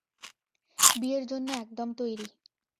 বিয়ের জন্য একদম তৈরি।